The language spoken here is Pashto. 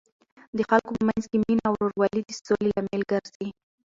د خلکو په منځ کې مینه او ورورولي د سولې لامل ګرځي.